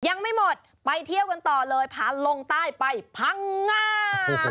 ยังไม่หมดไปเที่ยวกันต่อเลยพาลงใต้ไปพังงา